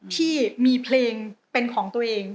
ที่มีเพลงเป็นของตัวเอง